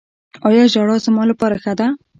ایا ژړا زما لپاره ښه ده؟